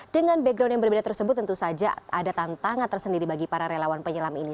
dengan background yang berbeda tersebut tentu saja ada tantangan tersendiri bagi para relawan penyelam ini